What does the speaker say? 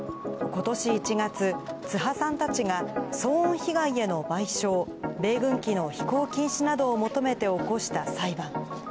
ことし１月、津覇さんたちが騒音被害への賠償、米軍機の飛行禁止などを求めて起こした裁判。